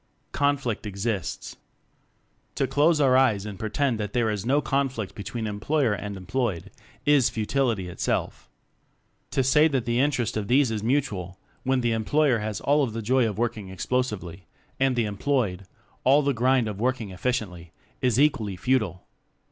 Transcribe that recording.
Conflict Exists To close our eyes and pretend that there is no conflict between employer and employed is futility itself. To say that the interest of these is mu tual when the employer has all of the joy of working explosively and the employed all the grind of work ing efficiently is equally futile.